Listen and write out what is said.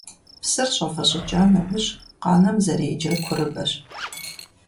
Псыр щIэвэщIыкIа нэужь къанэм зэреджэр курыбэщ.